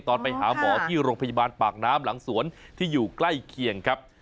ตอนไปหาหมอที่โรงพยาบาลปากน้ำหลังสวนที่อยู่ใกล้เคียงครับ